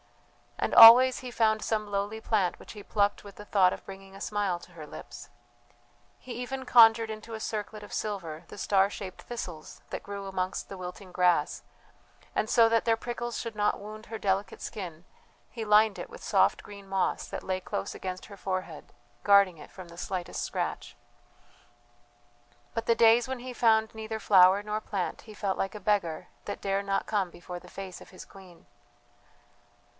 And always he found some lowly plant which he plucked with the thought of bringing a smile to her lips. He even conjured into a circlet of silver the star shaped thistles that grew amongst the wilting grass, and so that their prickles should not wound her delicate skin, he lined it with soft green moss that lay close against her forehead, guarding it from the slightest scratch. But the days when he found neither flower nor plant he felt like a beggar that dare not come before the face of his queen....